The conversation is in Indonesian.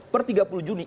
per tiga puluh juni